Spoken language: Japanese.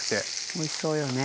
おいしそうよね。